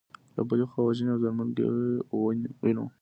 له بلې خوا وژنې او ځانمرګي وینو.